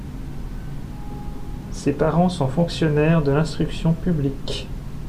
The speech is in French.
Ses parents sont fonctionnaires de l’Instruction publique.